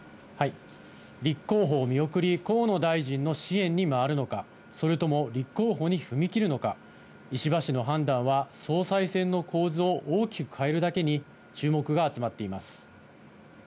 立候補を見送り、河野大臣の支援に回るのか、それとも立候補に踏み切るのか、石破氏の判断は総裁選の構図を大きく変えるだけに、注目が集まっています。